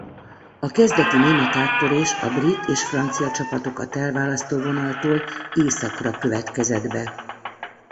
A kezdeti német áttörés a brit és francia csapatokat elválasztó vonaltól északra következett be.